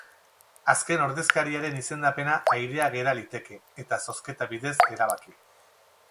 Azken ordezkariaren izendapena airea gera liteke, eta zozketa bidez erabaki.